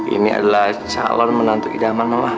ini adalah calon menantu idaman